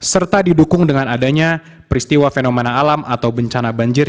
serta didukung dengan adanya peristiwa fenomena alam atau bencana banjir